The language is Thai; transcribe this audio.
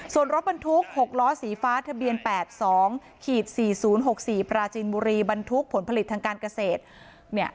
ส่วนรถบรรทุก๖ล้อสีฟ้าทะเบียน๘๒๔๐๖๔ปราจีนบุรีบรรทุกผลผลิตทางการเกษตร